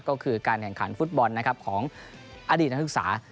ก็คือการแข่งขาดภูตบอลของอดีตนักศึกษา